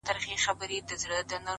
خو مخته دي ځان هر ځلي ملنگ در اچوم”